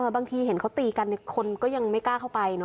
บางทีเห็นเขาตีกันคนก็ยังไม่กล้าเข้าไป